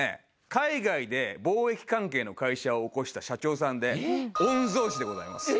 海外で貿易関係の会社を興した社長さんで御曹司でございます。